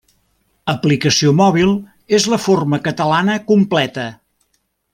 Aplicació mòbil és la forma catalana completa.